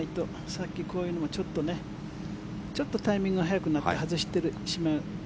さっきこういうのもちょっとタイミングが早くなって外してしまう。